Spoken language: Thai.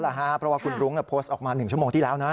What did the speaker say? เพราะว่าคุณรุ้งโพสต์ออกมา๑ชั่วโมงที่แล้วนะ